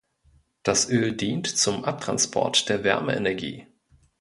Das Öl dient zum Abtransport der Wärmeenergie.